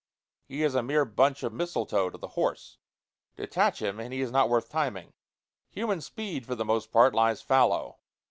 He is a mere bunch of mistletoe to the horse. Detach him, and he is not worth timing. Human speed for the most part lies fallow.